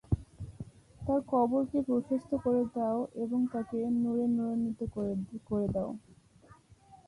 তার কবরকে প্রশস্ত করে দাও এবং তাকে নূরে নূরান্বিত করে দাও।